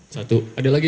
satu ada lagi